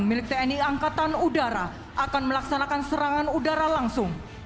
milik tni angkatan udara akan melaksanakan serangan udara langsung